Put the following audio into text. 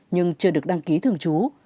nhưng chưa được đăng ký thường chú